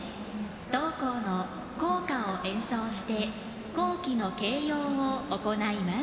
同校の校歌を演奏して校旗の掲揚を行います。